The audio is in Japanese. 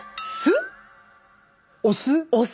お酢？